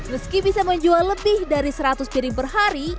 meski bisa menjual lebih dari seratus piring per hari